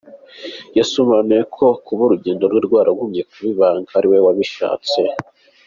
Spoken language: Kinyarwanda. Yasobanuye ko kuba urugendo rwe rwaragumye kuba ibanga, ari we wabishatse.